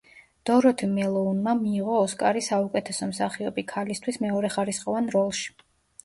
დოროთი მელოუნმა მიიღო ოსკარი საუკეთესო მსახიობი ქალისთვის მეორეხარისხოვან როლში.